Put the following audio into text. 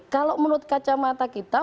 kalau menurut kacamata kita